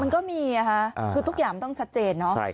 มันก็มีคือทุกอย่างมันต้องชัดเจนเนอะ